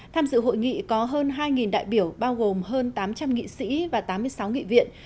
tham dự hội nghị có hơn hai đại biểu bao gồm hơn tám trăm linh nghị sĩ và tám mươi sáu nghị viện